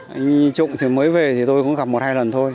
anh trộm thì mới về thì tôi cũng gặp một hai lần thôi